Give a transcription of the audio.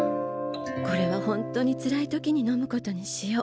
これは本当につらい時に飲むことにしよう。